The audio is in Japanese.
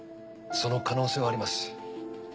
その可能性はあります。